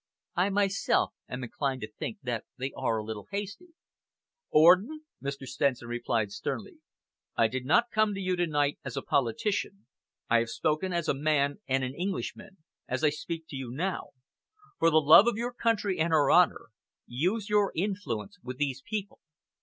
I myself am inclined to think that they are a little hasty." "Orden," Mr. Stenson replied sternly, "I did not come to you to night as a politician. I have spoken as a man and an Englishman, as I speak to you now. For the love of your country and her honour, use your influence with these people.